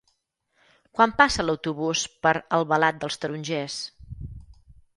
Quan passa l'autobús per Albalat dels Tarongers?